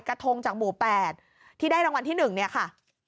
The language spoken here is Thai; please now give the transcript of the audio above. กระทงจากหมู่๘ที่ได้รางวัลที่๑เนี่ยค่ะ